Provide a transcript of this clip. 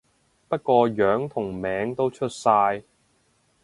不過樣同名都出晒